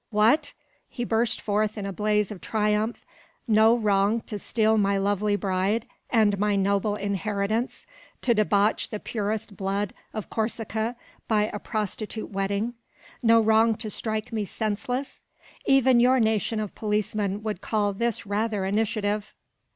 "What!" he burst forth in a blaze of triumph, "no wrong to steal my lovely bride, and my noble inheritance, to debauch the purest blood of Corsica by a prostitute wedding; no wrong to strike me senseless! Even your nation of policemen would call this rather initiative."